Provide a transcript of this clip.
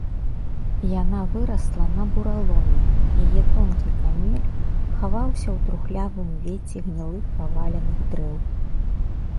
Яна вырасла на бураломе, яе тонкі камель хаваўся ў трухлявым вецці гнілых паваленых дрэў.